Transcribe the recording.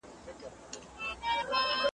خو د کلیو په کوڅو کي سرګردان سو ,